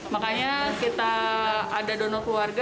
makanya kita ada dono keluarga